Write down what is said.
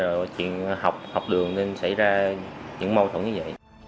và chuyện học đường nên xảy ra những mau thuẫn như vậy